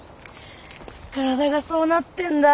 体がそうなってんだ。